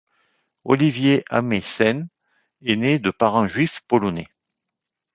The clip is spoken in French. Olivier Ameisen est né de parents juifs polonais.